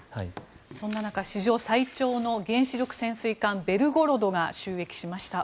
そんな中史上最長の原子力潜水艦「ベルゴロド」が就役しました。